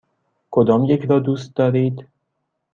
کدامیک را دوست دارید؟